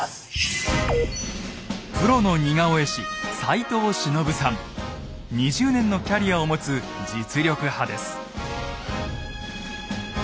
プロの似顔絵師２０年のキャリアを持つ実力派です。